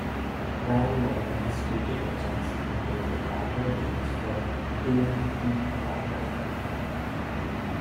Bryan Loren has stated that Jackson had provided background vocals for "Do the Bartman".